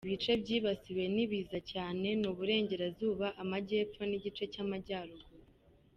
Ibice byibasiwe n’ibiza cyane ni Uburengerazuba, Amajyepfo n’igice cy’Amajyaruguru.